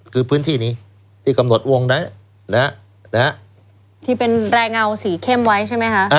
คือพื้นที่นี้ที่กำหนดวงนั้นนะฮะที่เป็นแรงเงาสีเข้มไว้ใช่ไหมคะ